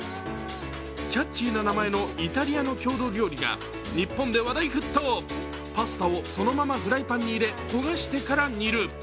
キャッチーな名前のイタリアの郷土料理が日本で話題沸騰、パスタをそのままフライパンに入れ焦がしてから煮る。